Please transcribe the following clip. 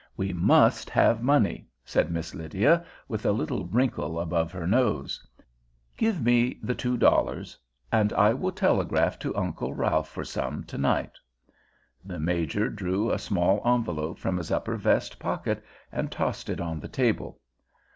"We must have money," said Miss Lydia, with a little wrinkle above her nose. "Give me the two dollars, and I will telegraph to Uncle Ralph for some to night." The Major drew a small envelope from his upper vest pocket and tossed it on the table.